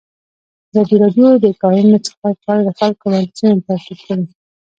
ازادي راډیو د د کانونو استخراج په اړه د خلکو وړاندیزونه ترتیب کړي.